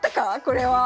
これは！